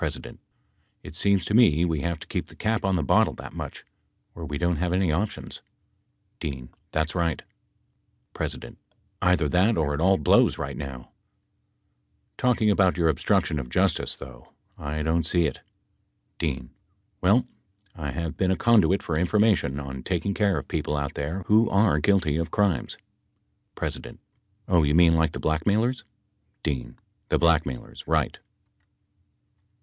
It seems to me we have to keep the cap on the bottle that much, or we don't have any options. D. That's right. P. Either that or it all blows right now ? [pp. 196 97] P. ... Talking about your obstruction of justice, though, I don't, see it. D. Well, I have been a conduit for information on taking care of people out there who are guilty of crimes. P. Oh, you mean like the blackmailers ? D. The blackmailers. Eight.